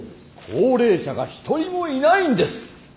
高齢者が一人もいないんです。